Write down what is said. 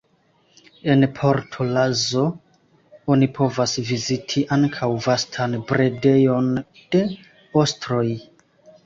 En Port Lazo oni povas viziti ankaŭ vastan bredejon de ostroj.